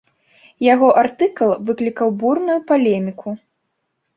Яго артыкул выклікаў бурную палеміку.